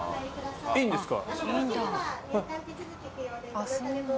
いいんですか？